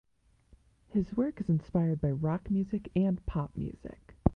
His work is inspired by rock music and pop music.